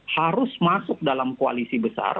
harus masuk dalam koalisi besar